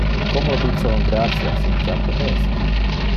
Como dice on "gratias" in japonese?